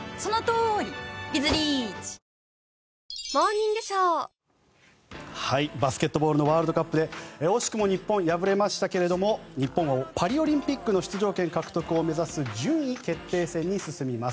ニトリバスケットボールのワールドカップで惜しくも日本、敗れましたけれども日本はパリオリンピックの出場権獲得を目指す順位決定戦に進みます。